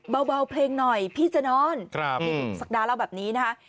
เบาเพลงหน่อยพี่จะนอนนี่คุณศักดาเล่าแบบนี้นะคะ